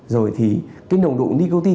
rồi thì cái nồng độ nicotine